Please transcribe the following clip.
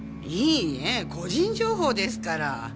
いいえ個人情報ですから。